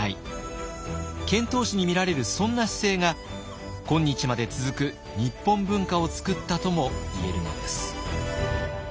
遣唐使に見られるそんな姿勢が今日まで続く日本文化を作ったとも言えるのです。